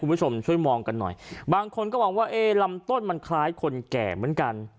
คุณผู้ชมช่วยมองกันหน่อยบางคนก็มองว่าเอ๊ลำต้นมันคล้ายคนแก่เหมือนกัน